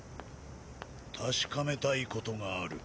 確かめたいことがある。